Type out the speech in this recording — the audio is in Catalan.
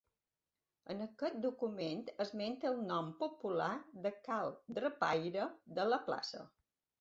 En aquest document esmenta el nom popular de Cal Drapaire de la Plaça.